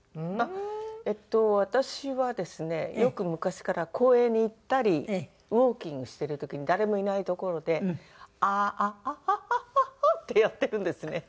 えっと私はですねよく昔から公園に行ったりウォーキングしてる時に誰もいない所で「アーアアアアアア」ってやってるんですね。